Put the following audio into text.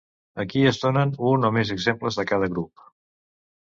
Aquí es donen un o més exemples de cada grup.